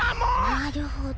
なるほど。